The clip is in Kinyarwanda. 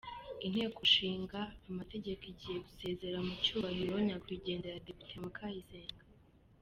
Inteko ishinga amategeko igiye gusezera mu cyubahiro Nyakwigendera Depite Mukayisenga .